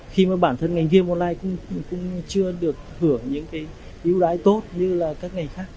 khi mà bản thân ngành game online cũng chưa được hưởng những cái ưu đãi tốt như là các ngành khác